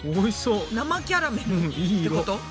生キャラメルってこと？